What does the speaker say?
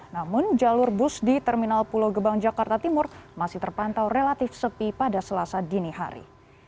namun jalur bus di terminal pulau gebang jakarta timur masih terpantau relatif sepi pada selasa dini hari